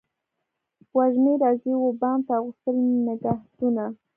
وږمې راځي و بام ته اغوستلي نګهتونه